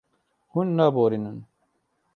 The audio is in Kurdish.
Hûn naborînin.